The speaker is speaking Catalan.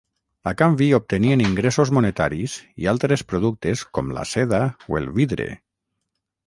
A canvi obtenien ingressos monetaris i altres productes com la seda o el vidre.